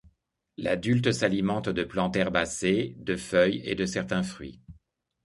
L’adulte s’alimente de plantes herbacées, de feuilles et de certains fruits.